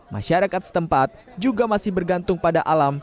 masyarakat setempat juga masih bergantung pada alam